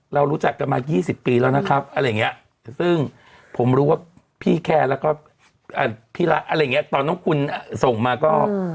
เรารู้จักกันมา๒๐ปีแล้วนะครับซึ่งผมรู้ว่าพี่เครียดแล้วก็พี่รักตอนน้องคุณส่งมาก็